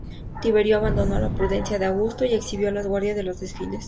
Tiberio abandonó la prudencia de Augusto y exhibió a la Guardia en los desfiles.